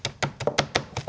あ。